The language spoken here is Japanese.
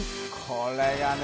これがね